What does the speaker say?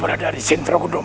raya atau hingga hampir dua